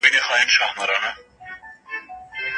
هغه د مینې او هېواد ترمنځ حیران پاتې و.